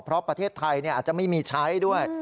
เพราะประเทศไทยอาจจะไม่มีใช้ด้วย